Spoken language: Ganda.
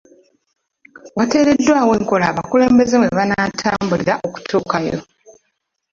Wateereddwawo enkola abakulembeze mwe banaatambulira okutuukayo.